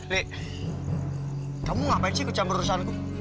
li kamu ngapain sih kecam perusahaanku